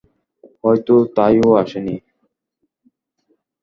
হয়তো তাই ও আসেনি।